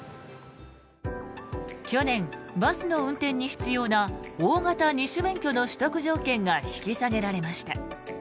去年、バスの運転に必要な大型二種免許の取得条件が引き下げられました。